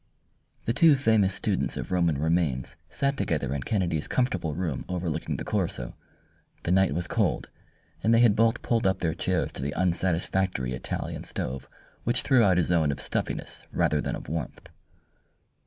The two famous students of Roman remains sat together in Kennedy's comfortable room overlooking the Corso. The night was cold, and they had both pulled up their chairs to the unsatisfactory Italian stove which threw out a zone of stuffiness rather than of warmth.